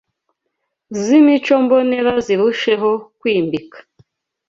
z’imico mbonera zirusheho kwimbika